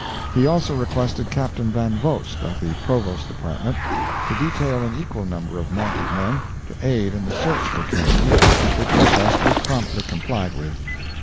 He also requested Captain Van Vost, of the Provost Department, to detail an equal number of mounted men, to aid in the search for Kennedy, which request was promptly complied with.